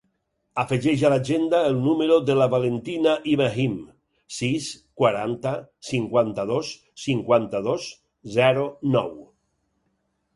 Afegeix a l'agenda el número de la Valentina Ibrahim: sis, quaranta, cinquanta-dos, cinquanta-dos, zero, nou.